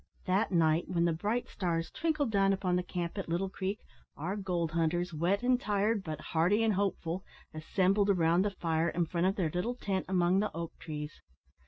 That night, when the bright stars twinkled down upon the camp at Little Creek, our gold hunters, wet and tired, but hearty and hopeful, assembled round the fire in front of their little tent among the oak trees.